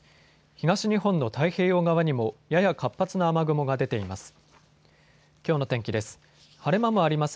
東日本の太平洋側にもやや活発な雨雲が出ています。